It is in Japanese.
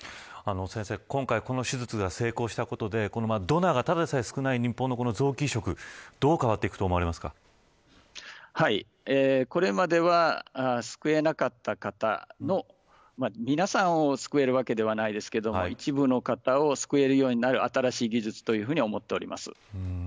先生、今回この移植が成功したことでドナーがただでさえ少ない日本の臓器移植どう変わっていくとこれまでは救えなかった方の皆さんを救えるわけではないですが、一部の方を救えるようになる新しい技術というふうに思っております。